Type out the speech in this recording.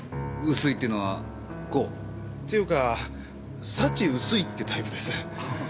薄いっていうのはこう？っていうか幸薄いってタイプです。